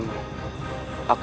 aku akan menemukanmu